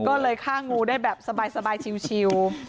ก็เลยฆ่างูได้แบบสบายชิว